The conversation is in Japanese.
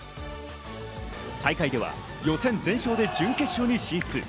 大会では予選全勝で準決勝に進出。